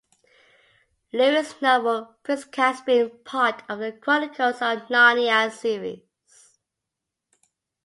Lewis' novel "Prince Caspian", part of "The Chronicles of Narnia" series.